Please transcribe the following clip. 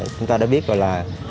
chúng ta đã biết rồi là